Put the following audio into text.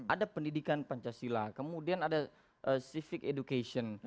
ada pendidikan pancasila kemudian ada civic education